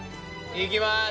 いきます！